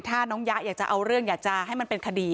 ถ้าน้องยะอยากจะเอาเรื่องอยากจะให้มันเป็นคดี